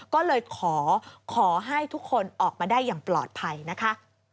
ก็เลยขอให้ทุกคนออกมาได้อย่างปลอดภัยนะคะ